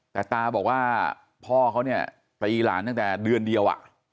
แต่ตาบอกว่าพ่อเขาเนี่ยตีหลานตั้งแต่เดือนเดียว